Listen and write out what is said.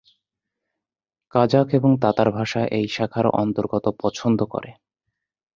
Kazakh এবং Tatar ভাষা এই শাখার অন্তর্গত পছন্দ করে।